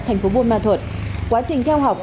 thành phố buôn ma thuật quá trình theo học